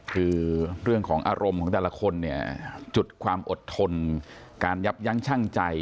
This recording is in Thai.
คือเรื่องของอารมณ์ของแต่ละคนเนี่ยจุดความอดทนการยับยั้งชั่งใจ